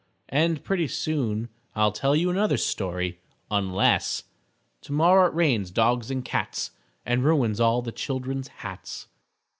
And pretty soon I'll tell you another story unless _Tomorrow it rains dogs and cats And ruins all the children's hats.